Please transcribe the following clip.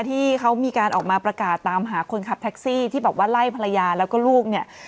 ที่เขามีการออกมาประกาศตามหาคนขับแท็กซี่ที่บอกว่าไล่ภรรยาแล้วก็ลูกเนี่ย